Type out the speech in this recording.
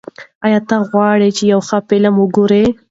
ایا ته غواړې چې یو ښه فلم وګورې؟